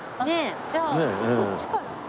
じゃあこっちから。